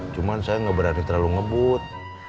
cuman saya gak berani terlalu ngebut